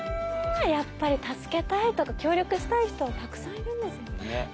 やっぱり助けたいとか協力したい人はたくさんいるんですね。